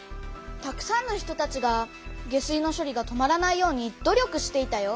たくさんの人たちが下水のしょりが止まらないように努力していたよ。